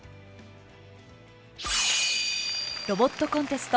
ロボットコンテスト